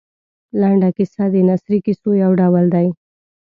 لنډه کیسه د نثري کیسو یو ډول دی.